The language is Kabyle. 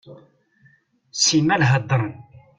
Simmal heddren.